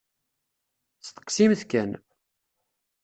Steqsimt kan!